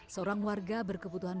seorang warga berkebutuhan